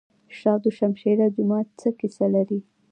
شاه دوشمشیره جومات څه کیسه لري؟